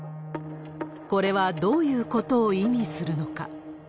これはどういうことを意味するのか。